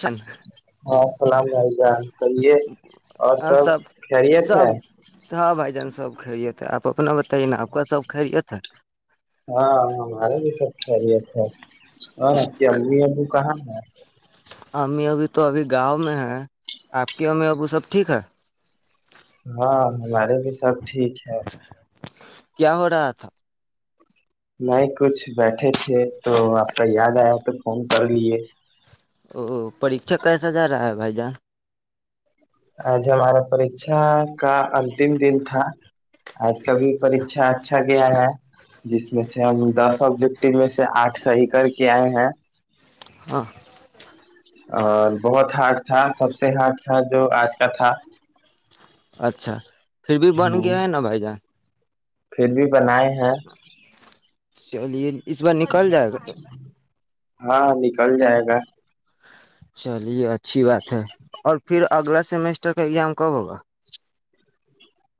س ہاں السلام علیکم کہیے اور ہ سب خیریت سب ہے ہاں بھائی جان سب خھےتے آپ آ اپنا بتائیے نا آپ کو سب خرییے تھ ہاں ہمارے بھی سب خیریت ہے ہاں کہ امی ابو کہاں ن امی ابھی تو ابھی گاؤں میں ہیں آپ کی امی ابو سب ٹھیک ہے ہاں ہمارے بھی سب ٹھیک ہے کیا ہو رہا تھا نہیں کچھ بیٹھے تھے تو آپ کا یاد آیا تو فون کر لیے او پریچا کیسا جا رہا ہے بھائی جان آج ہمارا پریھا کا اتم دن تھا آج کبھی پریچا اچھا گیا ہے جس میں سے ہم دس آبجیکٹ میں سے آٹھ صحیح کر کے آئے ہیں ہاں اور بہت ہارڈ تھا سب سے ہارڈ تھا جو آج کا تھا اچھا پھر بھی بن ہ گیا ہے نا بھائی جان پھر بھی بنائے ہیں چلیے اس بار نکل جائے گا ہاں نکل جائے گا چلیے اچھی بات ہے اور پھر اگلا سیمیسٹر کا ایگزام کب ہوگا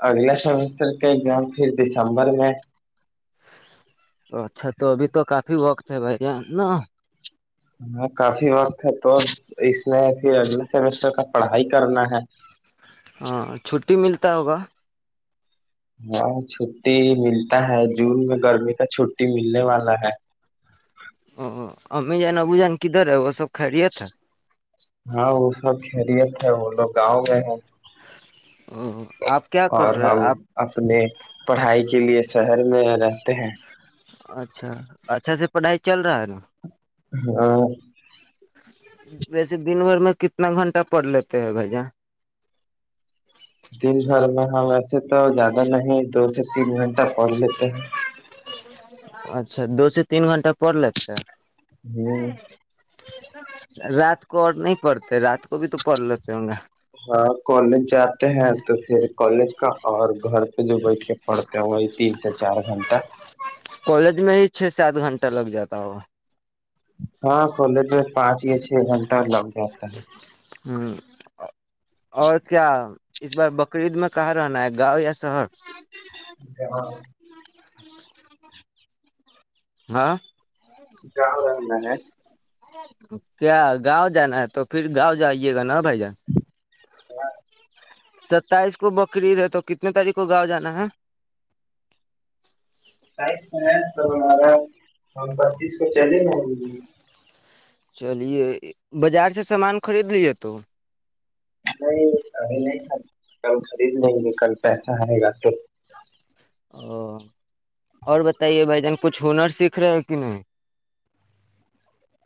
اگلا سمسٹر کا ایگزام پھر دسمبر میں اچھا تو ابھی تو کافی وقت ہے بھائی یہ نا ہاں کافی وقت ہے تو اس میں پھر اگلے سیمسٹر کا پڑھائی کرنا ہے ہاں چھٹی ملتا ہوگا ہاں چھٹی ملتا ہے جون میں گرمی کا چھٹی ملنے والا ہے ا اممی جان ابو جان کی در ا وہ سب خیریت ہے ہاں سب خریت ہے وہ لوگ گاؤں گئے ہیں ہ اور ہم اپنے پڑھائی کے لیے شہر میں رہتے ہیں اچھا اچھا سے پڑھائی چل رہا ہے نا ہاں ویسے دن بھر میں کتنا گھنٹہ پڑ لیتے ہیں بھائی ج سے تو زیادہ نہیں دو سے تین گھنٹہ پڑھ لیتے ہیں اچھا دو سے تین گھنٹہ پڑ لی تھ ہیں ہ رات کو اور نہیں پڑتے رات کو بھی تو پڑھ لیتے ہوں گے ہاں کالج جاتے ہیں تو پھر کالج کا اور گھر پہ جو بیٹھ کے پڑھتے ہیں وہی تین سے چار گھنٹہ کالج میں ہی چھ سے آٹھ گھنٹہ لگ جاتا ہو ہاں کالج میں پانچ یا چھ گھنٹہ لگ جاتا ہے ہوں اور کیا اس بار بقرعید میں کہاں رہنا ہے گاؤں یا شہر ہے ہاں کیا رہ میں ہے کیا گاؤں جانا ہے تو پھر گاؤں جائیے گا نا بھائی جان و ستائیس کو بقرریید ہے تو کتنے تاریخ کو گاؤں جانا ہے س میں ہے تو ہمارا پچیس کو چلے گ چلیے بازار سے سامان خرید لیے تو نہیں اھی نہیں کل خرید لیں گے کل پیسہ آئے گا تو او اور بتائیے بھائی جان کچھ ہنر سیکھ رہے ہے کہ نہیں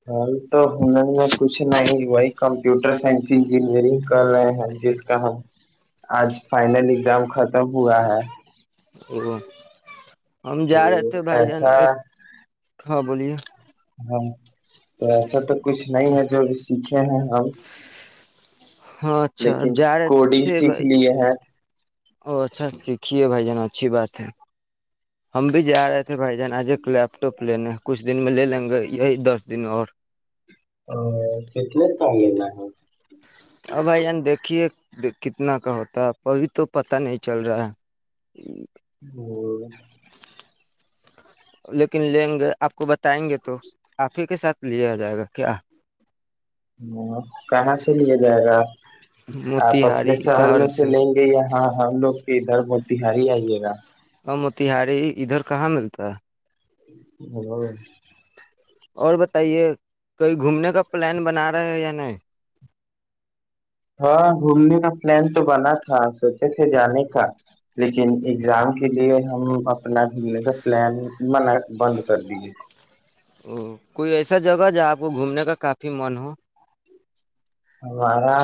ہل تو ہ میں کچھ نہیں ہوئی کمپیوٹر سائنس انجینئرنگ کر رہے ہیں جس کا ہم آج فائنل ایگزام ختم ہوا ہے وہ ہ ایسا ہاں بولیے [inaudible] تو ایسا تو کچھ نہیں ہے جو اب سیکھے کیا ہ ہاں اچھا جا رہے تھے سیکھ بائی لیے ہیں ا اچھا ٹھیک دھیے بھائی جان اچھی بات ہے ہم بھی جا رہے تھے بھائی جان آج ایک لیپ ٹاپ لینے ہیں کچھ دن میں لے لیں گے یہی دس دن اور ا کتنے کہاہ ہے نا اور اب بائی ان دیکھیے کتنا کا ہوتا ہے ابھی تو پتہ نہیں چل رہا ہے [inaudible] لیکن لیں گے آپ کو بتائیں گے تو آپ ہی کے ساتھ لیا آ جائے گا کیا ہ کہاں سے لیا جائے گا آپ اپنے شہر میں سے لیں گے یا ہاں ہم لوگ کی ادھر ت ہاری ہی آئیے گا اور موتیہاری ادھر کہاں ملتا ہے [inaudible] اور بتائیے کہئی گھومنے کا کا پلان بنا رہے یا نہیں ہاں گھومنے کا پلان تو بنا تھا سوچے تھے جانے کا لیکن اگزام کے لیے ہم اپنا گھومنے کا پلان منع بند کر دیے ا کوئی ایسا جگہ جہاں آپ کو گھومنے کا کافی من ہو ہمارا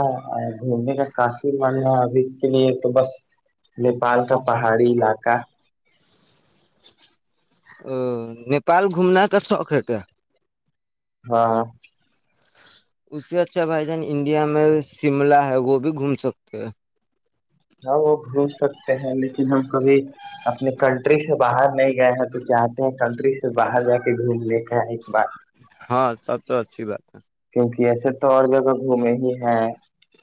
گھومنے کا کاش ماننا ابھی کے لیے تو بس نیپال کا پہاڑی علاقہ کا ا نیپال گھومنا کا شوق ہےتے ہے ہاں اس سے اچھا بھائی جان انڈیا میں شملہ ہے وہ بھی گھوم سکتے ہیں ہاں وہ گھوم سکتے ہیں لیکن ہم کبھی اپنے کنٹری سے باہر نہیں گئے ہیں تو چاہتے ہیں کنٹری سے باہر جا کے گھومنے کا ایک بار ہاں سب تو اچھی بات ہے کی ایسے تو اور جگہ گھومے ہی ہیں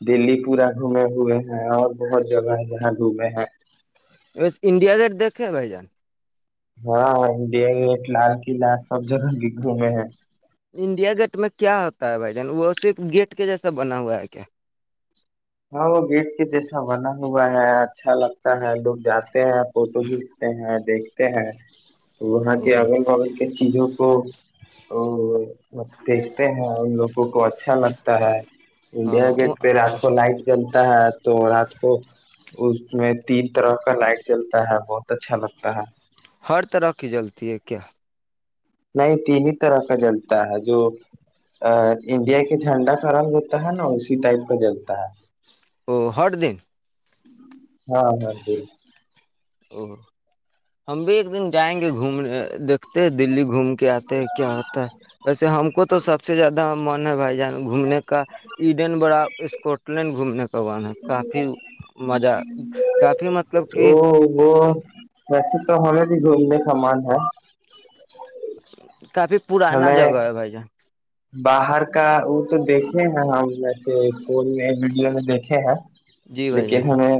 دلی پورا گھومے ہوئے ہیں اور بہت جگہ ہے جہاں گھومے ہیں انڈیا گٹ دیک کیا بھائی جان ہاں انڈیا گیٹ لال قلعہ سب جگہ کی گھومے ہیں انڈیا گیٹ میں کیا ہوتا ہے بھائی جان وہ صرف گیٹ کے جیسا بنا ہوا ہے کیا ہاں وہ گیٹ کے جیسا بنا ہوا ہے اچھا لگتا ہے لوگ جاتے ہیں فوٹو کھینچتے ہیں دیکھتے ہیں وہاں کے اگل بغل کے چیزوں کو تو دیکھتے ہیں ان لوگوں کو اچھا لگتا ہے انڈیا گیٹ او پہ رات کو لائٹ تا ہے تو رات کو اس میں تین طرح کا لائٹ چلتا ہے بہت اچھا لگتا ہے ہر طرح کی جلتی ہے کیا نہیں تین ہی طرح کا جلتا ہے جو انڈیا کے جھنڈا خرم ہوتا ہے نا اسی ٹائپ کا جلتا ہے اور ہر دن ہاں ہاں دن او ہم بھی ایک دن جائیں گے گھومنے دیکتے دلی گھوم کے آتے کیا ہوتا ہے ویسے ہم کو تو سب سے زیادہ من ہے بھائی گھومنے کا ایڈن بڑا اسکاٹ لینڈ گھومنے کا من ہے کافی مزہ کافی مطلب تو کہ وہ ویسے تو ہمیں بھی گھومنے کا من ہے اور [unintelligible] کافی پرانا ہمیں جگہ ہے بھائی جان باہر کا وہ تو دیکھے ہیں ہم ایسے فون میں ویڈیو میں دیکھے ہیں جی بھائی جان لیکن ہمیں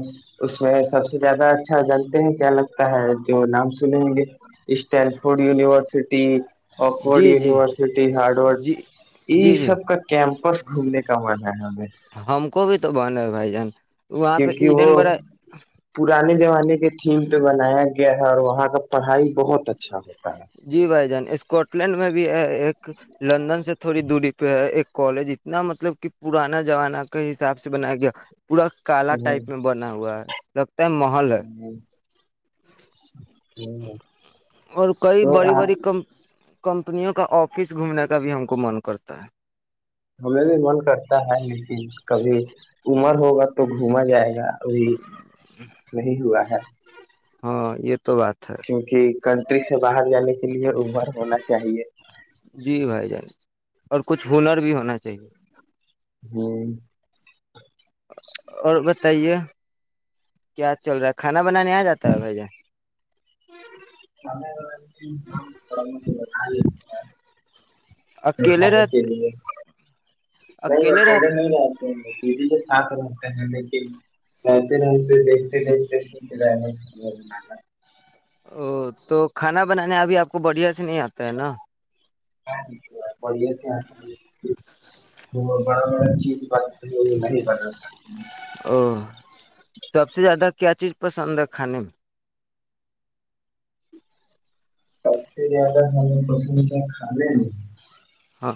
اس میں سب سے زیادہ اچھا جانتے ہیں کیا لگتا ہے جو نام سنیں گے اسٹین فورڈ یونیورسٹی آکسفورڈ جی جی یونیورسٹی ہارڈورڈ جی یہ جی جی سب کا کیا کیمپس گھومنے کا من ہے ہمیں ہم کو بھی تو معنی ہے بھائی جان وہاں پہ کیونکہ وہ ایڈن بڑا پرانے زمانے کے تھیم پہ بنایا گیا ہے اور وہاں کا پڑھائی بہت اچھا ہوتا ہے جی بھائی جان اسکاٹ لینڈ میں بھی ہے ایک لندن سے تھوڑی دوری پہ ہے ایک کالج اتنا مطلب کہ پرانا زمانہ کے حساب سے بنایا گیا پورا کالا ہے ٹائپ میں بنا ہوا ہے لکھ [unintelligible] ہ ہ اور [unintelligible] کئی بڑی بڑی کم کم کمپنی کا آفس گھومنے کا بھی ہم کو من کرتا [unintelligible] ہمیں بھی من کرتا ہے لیکن کبھی عمر ہوگا تو گھوما جائے گا وہی وہی ہوا ہے [unintelligible] ہاں یہ تو بات ہے کیونکہ کنٹری سے باہر جانے کے لیے عمر ہونا چاہیے جی بھائی جان اور کچھ ہنر بھی ہونا چاہیے ہوں [unintelligible] اور بتائیے کیا چل رہا ہے کھانا بنانے آ جاتا ہے بھائی ج سملڑ مے نال [unintelligible] اکیلے کھانے رہ کے لیے [unintelligible] نہیں اکیلے رہ پلے نہیں رہتے ہیں [unintelligible] ی کے ساتھ رہتے ہیں لیکن رہتے رہتے دیکھتے دیکھتے س رہ او تو کھانا بنانےا ابھی آپ کو بڑھیا سے نہیں آتا ہے نا بڑا بڑا چیز ب ب [unintelligible] ا [unintelligible] سب سے زیادہ کیا چیز پسند ہے کھانے میں سب سے زیادہ مل پسند کیا کانیں ہاں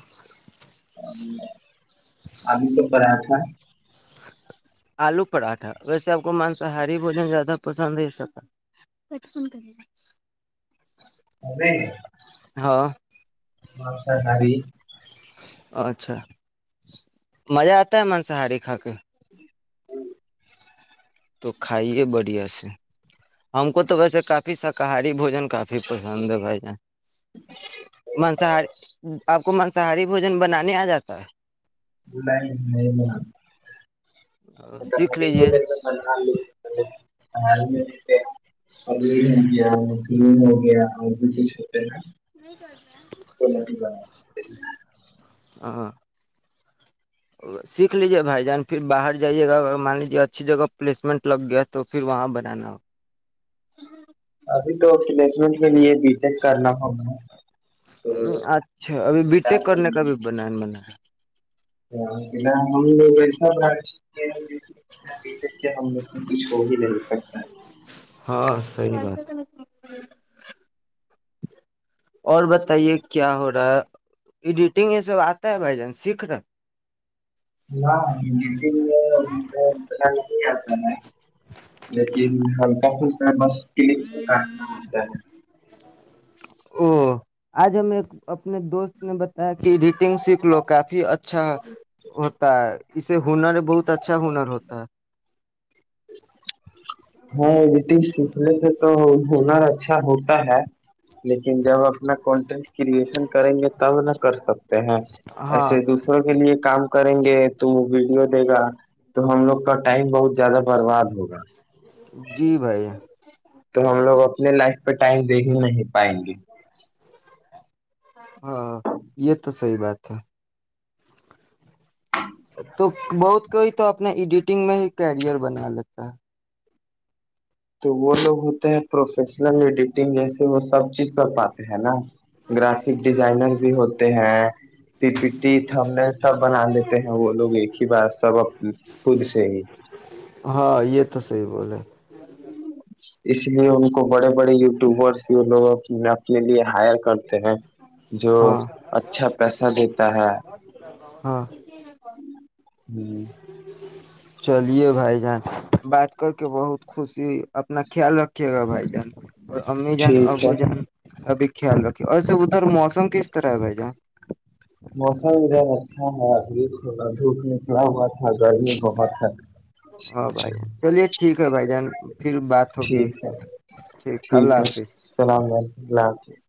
ہاں [unintelligible] آبھی ک پر آ تھا [unintelligible] ہ [unintelligible] آلو پراٹھا ویسے آپ کو مانساہاری بوجن زیادہ پسند نہیں سکتا ہمیں ہاں [unintelligible] مانساہاری اچھا مزہ آتا ہے مانصاہاری کھا کے جی [inaudible] تو کھائیے بڑھیا سے ہم کو تو ویسے کافی شاکاہاری بوجن کافی پسند ہے بھائی جان منصہاری آپ کو مانساہاری بوجن بنانے آ جاتا ہے نہیں نہیں ن [unintelligible] م ہے [unintelligible] ہاں سیکھ لیجیے [unintelligible] ا ہ [unintelligible] ج ہوگیا اور بھی کچھ ہوتے ہے نا [unintelligible] نہیں کر س رہ [unintelligible] [unintelligible] ہ [unintelligible] سیکھ لیجیے بھائی جان پھر باہر جائیے گا ا مان لیجے اچھی جگہ پلیسمنٹ لگ گیا تو پھر وہاں بنانا ہو ابھی تو پلیسمنٹ کے لیے بی ٹیک کرنا پ اپنا اچھا ابھی بی ٹیک ہم کرنے کا بھی ب بنا ہم لوگ ایسا برانچ ج ابھی تک کے ہم لوگ کا کچھ ہو بھی نہیں سکتا ہے ہاں سی بات اور بتائیے کیا ہو رہا ہے ایڈیٹنگ یہ سب آتا ہے بھائی جان سیکھ رہے ہاں م م ب نہیں آیا لیکن ہم بس کے لیے کاٹنا ہوتا ہے او آج ہم ایک اپنے دوست نے ب کہ ایڈیٹنگ سیکھ لو کافی اچھا ہوتا ہے اسے ہنا نے بہت اچھا ہنر ہوتا ہے [inaudible] ہاں جی سھ تو ہنر اچھا ہوتا ہے لیکن جب اپنا کانٹینٹ کرئشن کریں گے تب نہ کر سکتے ہیں ہاں ایسے دوسروں کے لیے کام کریں گے توم ویڈیو دے گا تو ہم لوگ کا ٹائم بہت زیادہ برباد ہوگا جی بھائی تو ہم لوگ اپنے لائف پہ ٹائم دے ہی نہیں پائیں گے ہاں یہ تو صحی بات ہے تو بہت کوئی تو اپنا ایڈیٹنگ میں ہی کیریئر بنا لیتا ہے تو وہ لوگ ہوتے ہیں پروفیشنل ایڈیٹنگ جیسے وہ سب چیز کر پاتے ہیں نا گرافک ڈیزائنر بھی ہوتے ہیں پی پی ٹی تھم سب بنا لیتے ہیں وہ لوگ ایک ہی بار سب اپ خود سے ہی ہاں یہ تو صحیح بولے اس لیے ان کو بڑے بڑے یو ٹیوبرس لوگوں اپ اپنے لیے ہائر کرتے ہیں جو ہاں اچھا پیسہ دیتا ہے ہاں ہ چلیے بھائی جان بات کر کے بہت خوشی ہو اپنا خیال رککھے گا بھائی جان اور امی جان ٹھیک ہے ابو جان ابھی خیال رکھھیے ایسے ادھر موسم کس طرح ہے بھائی جان ہاں کا دھوپ نکلا ہو ہاں بھائی چلیے ٹھیک ہے بھائی جان پھر بات ہوگی ٹھیک ہے ٹھیک اللہ ہے حافظ السلام علیکم اللہ حافظ